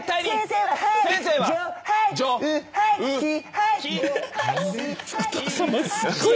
はい。